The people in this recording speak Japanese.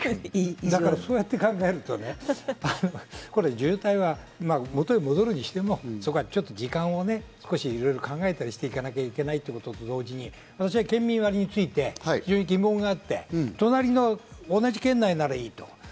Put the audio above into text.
そうやって考えるとね、渋滞は元に戻るにしても時間をいろいろ考えたりしていかなきゃいけないというのと同時に、県民割について疑問があって、同じ県内ならいいと。